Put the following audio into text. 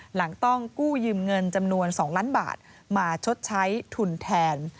หลังต้องกู้ยืมเงินจำนวน๒ล้านบาทมาชดใช้ทุนแทน